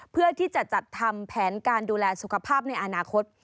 เพื่อที่จะจัดทำแผนการดูแลสุขภาพในอนาคต